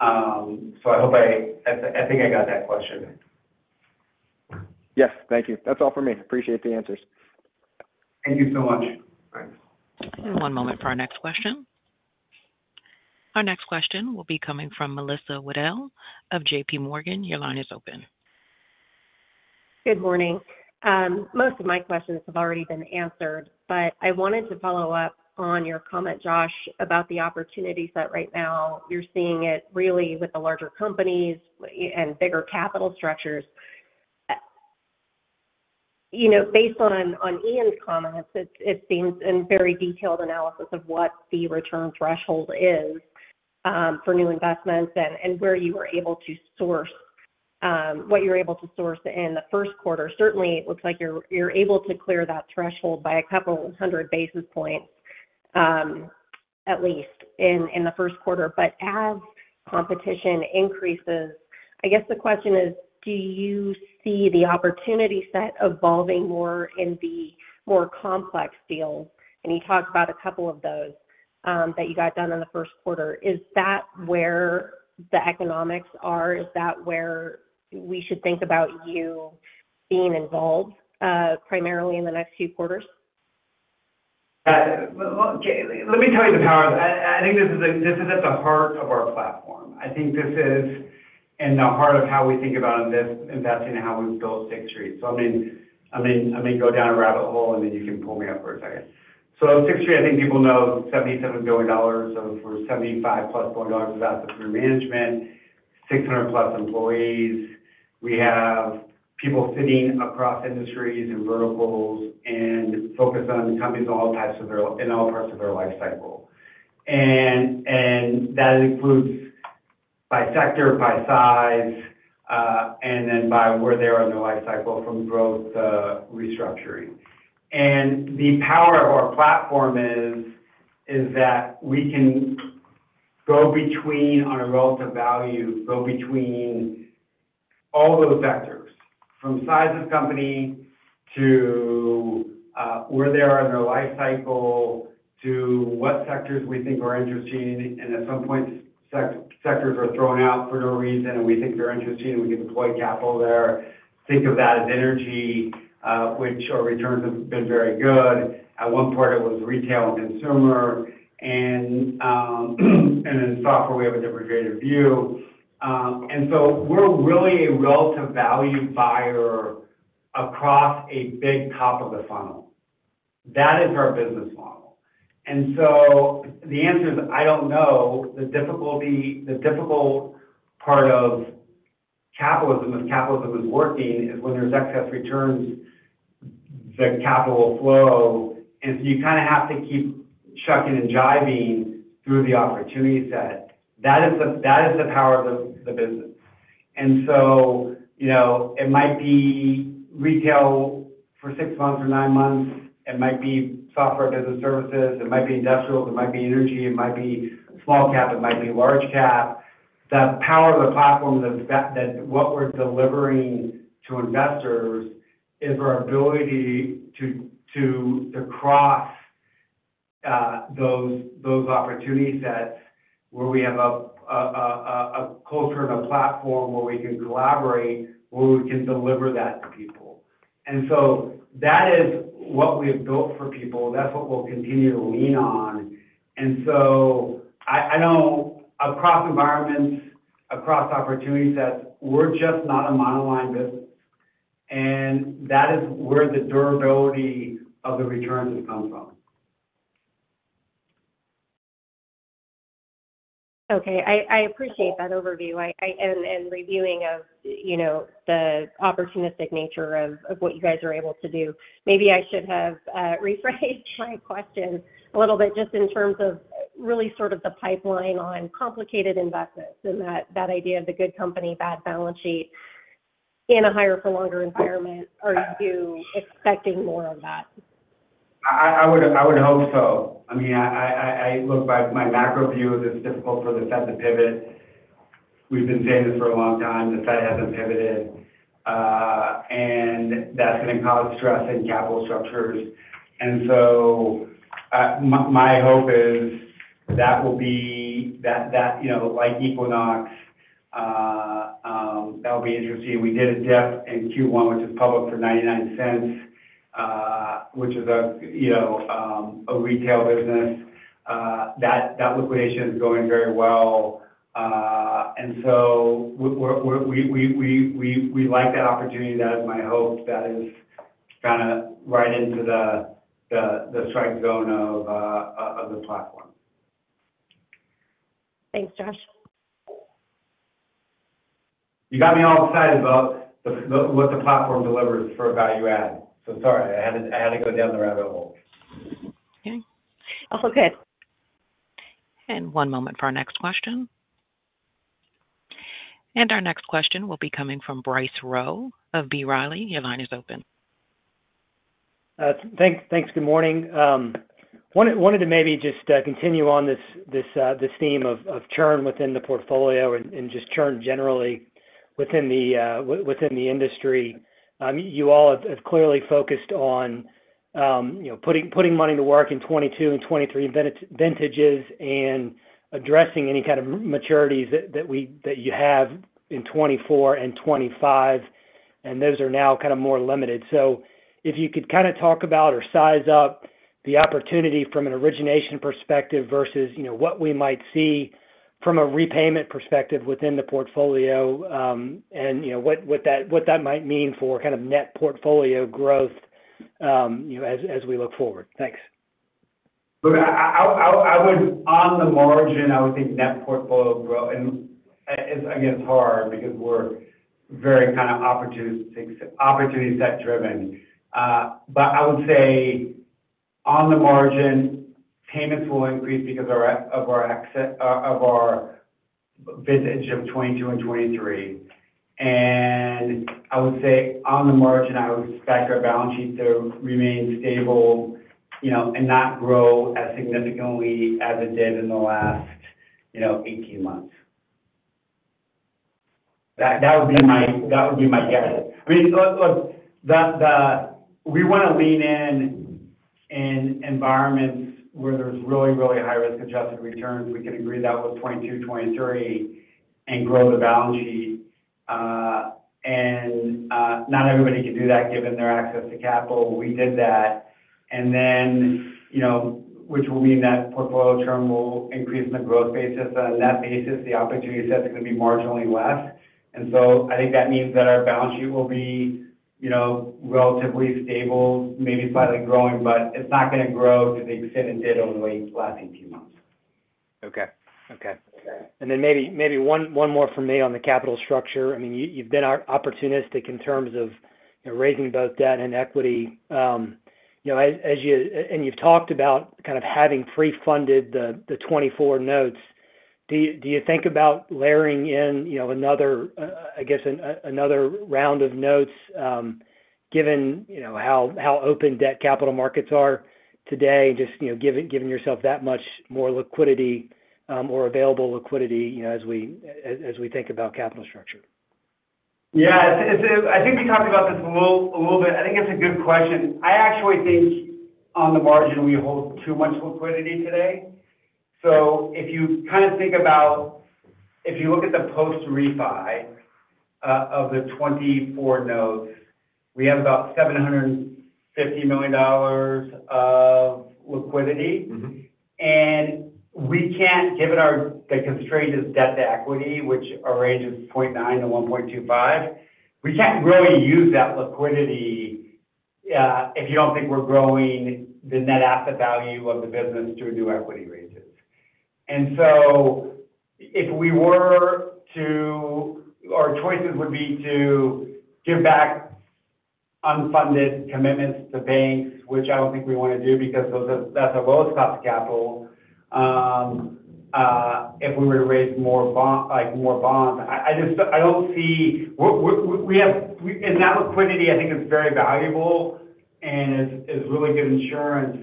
C: I hope I think I got that question.
J: Yes. Thank you. That's all for me. Appreciate the answers.
C: Thank you so much.
D: Thanks.
A: One moment for our next question. Our next question will be coming from Melissa Wedel of JPMorgan. Your line is open.
K: Good morning. Most of my questions have already been answered, but I wanted to follow up on your comment, Josh, about the opportunity set right now. You're seeing it really with the larger companies and bigger capital structures. You know, based on, on Ian's comments, it seems in very detailed analysis of what the return threshold is, for new investments and, and where you were able to source, what you were able to source in the first quarter. Certainly, it looks like you're, you're able to clear that threshold by a couple hundred basis points, at least in, in the first quarter. But as competition increases, I guess the question is: do you see the opportunity set evolving more in the more complex deals? And you talked about a couple of those, that you guys done in the first quarter. Is that where the economics are? Is that where we should think about you being involved, primarily in the next few quarters?
C: Well, okay. Let me tell you the power. I think this is at the heart of our platform. I think this is in the heart of how we think about investing and how we build Sixth Street. So, I mean, I may go down a rabbit hole, and then you can pull me up for a second. So Sixth Street, I think people know $77 billion, so $75+ billion of assets under management, 600+ employees. We have people sitting across industries and verticals and focused on companies of all types in all parts of their life cycle. And that includes by sector, by size, and then by where they are in their life cycle from growth to restructuring. And the power of our platform is. is that we can go between, on a relative value, go between all those vectors, from size of company to, where they are in their life cycle, to what sectors we think are interesting. And at some point, sectors are thrown out for no reason, and we think they're interesting, and we deploy capital there. Think of that as energy, which our returns have been very good. At one point, it was retail and consumer. And, and in software, we have a differentiated view. And so we're really a relative value buyer across a big top of the funnel. That is our business model. And so the answer is, I don't know. The difficult part of capitalism, if capitalism is working, is when there's excess returns, the capital will flow, and so you kind of have to keep shucking and jiving through the opportunity set. That is the power of the business. And so, you know, it might be retail for six months or nine months, it might be software business services, it might be industrials, it might be energy, it might be small cap, it might be large cap. The power of the platform is that what we're delivering to investors is our ability to cross those opportunity sets where we have a culture of a platform where we can collaborate, where we can deliver that to people. And so that is what we've built for people. That's what we'll continue to lean on. And so I, I know across environments, across opportunity sets, we're just not a monoline business, and that is where the durability of the returns comes from.
K: Okay. I appreciate that overview and reviewing of, you know, the opportunistic nature of what you guys are able to do. Maybe I should have rephrased my question a little bit, just in terms of really sort of the pipeline on complicated investments and that idea of the good company, bad balance sheet in a higher for longer environment. Are you expecting more of that?
C: I would hope so. I mean, I look back, my macro view is it's difficult for the Fed to pivot. We've been saying this for a long time. The Fed hasn't pivoted, and that's gonna cause stress in capital structures. And so, my hope is that will be that, you know, like Equinox, that'll be interesting. We did a DIP in Q1, which is public for 99 Cents Only Stores, which is a, you know, a retail business. That liquidation is going very well. And so we like that opportunity. That is my hope. That is kind of right into the strength zone of the platform.
K: Thanks, Josh.
C: You got me all excited about the what the platform delivers for a value add. So sorry, I had to, I had to go down the rabbit hole.
K: Okay. All good.
A: One moment for our next question. Our next question will be coming from Bryce Rowe of B. Riley. Your line is open.
L: Thanks. Good morning. Wanted to maybe just continue on this theme of churn within the portfolio and just churn generally within the industry. You all have clearly focused on, you know, putting money to work in 2022 and 2023 vintages, and addressing any kind of maturities that you have in 2024 and 2025, and those are now kind of more limited. So if you could kind of talk about or size up the opportunity from an origination perspective versus, you know, what we might see from a repayment perspective within the portfolio, and, you know, what that might mean for kind of net portfolio growth, you know, as we look forward. Thanks.
C: Look, I would on the margin, I would think net portfolio growth, and it's, again, it's hard because we're very kind of opportunity set driven. But I would say on the margin, payments will increase because of our, of our exit of our vintage of 2022 and 2023. And I would say, on the margin, I would expect our balance sheet to remain stable, you know, and not grow as significantly as it did in the last, you know, 18 months. That would be my guess. I mean, look, we wanna lean in in environments where there's really, really high risk-adjusted returns. We can agree that was 2022, 2023, and grow the balance sheet. And not everybody can do that given their access to capital. We did that, and then, you know, which will mean that portfolio churn will increase in the growth basis. On that basis, the opportunity set is gonna be marginally less. And so I think that means that our balance sheet will be, you know, relatively stable, maybe slightly growing, but it's not gonna grow to the extent it did over the last 18 months.
L: Okay. And then maybe one more for me on the capital structure. I mean, you, you've been opportunistic in terms of, you know, raising both debt and equity. You know, as you and you've talked about kind of having pre-funded the 2024 notes. Do you think about layering in, you know, another round of notes, given, you know, how open debt capital markets are today, just, you know, giving yourself that much more liquidity or available liquidity, you know, as we think about capital structure?
C: Yeah, it's. I think we talked about this a little, a little bit. I think it's a good question. I actually think on the margin, we hold too much liquidity today. So if you kind of think about... If you look at the post refi of the 2024 notes, we have about $750 million of liquidity. And we can't, given our, the constraint is debt-to-equity, which our range is 0.9 to 1.25, we can't really use that liquidity, if you don't think we're growing the net asset value of the business through new equity raises. And so if we were to, our choices would be to give back unfunded commitments to banks, which I don't think we wanna do, because that's the lowest cost of capital, if we were to raise more bond, like, more bonds. I just don't see. We have, and that liquidity, I think, is very valuable and is really good insurance,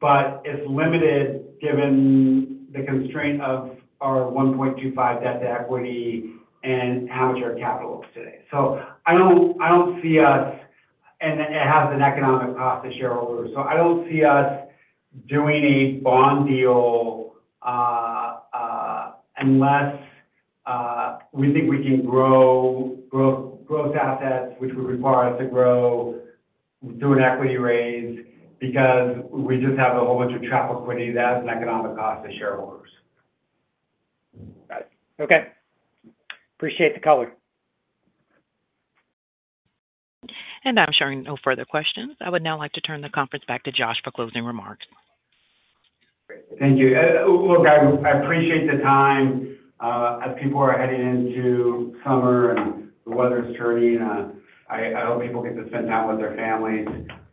C: but it's limited given the constraint of our 1.25 debt-to-equity and how much our capital looks today. So I don't see us—and it has an economic cost to shareholders. So I don't see us doing a bond deal, unless we think we can grow gross assets, which would require us to grow, do an equity raise, because we just have a whole bunch of trapped liquidity. That has an economic cost to shareholders.
L: Got it. Okay. Appreciate the color.
A: I'm showing no further questions. I would now like to turn the conference back to Josh for closing remarks.
C: Great. Thank you. Look, I appreciate the time. As people are heading into summer and the weather's turning, I hope people get to spend time with their families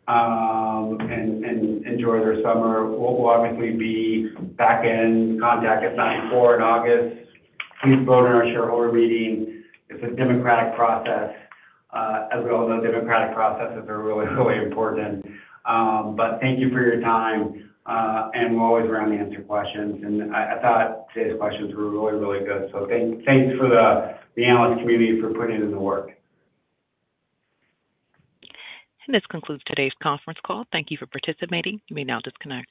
C: and enjoy their summer. We'll obviously be back in contact, if not before, in August. Please vote in our shareholder meeting. It's a democratic process. As we all know, democratic processes are really, really important. But thank you for your time, and we're always around to answer questions. And I thought today's questions were really, really good. So thanks for the analyst community for putting in the work.
A: This concludes today's conference call. Thank you for participating. You may now disconnect.